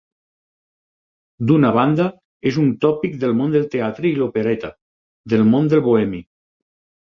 D'una banda, és un tòpic del món del teatre i l'opereta, del món del bohemi.